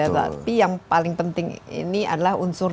tapi yang paling penting ini adalah unsur